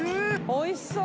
おいしそう！